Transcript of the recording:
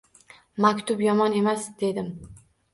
Maktub yomon emas, dedim